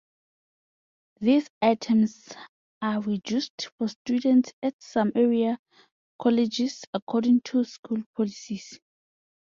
These items are reduced for students at some area colleges according to school policies.